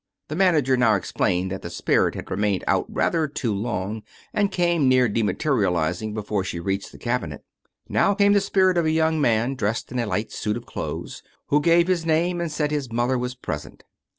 The manager now explained that the spirit had remained out rather too long and came near dematerializing before she reached the cabinet. Now came the spirit of a young man, dressed in a light suit of clothes, who gave his name and said his mother was pres ent.